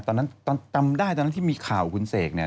ตอนนั้นตอนจำได้ตอนนั้นที่มีข่าวคุณเสกเนี่ย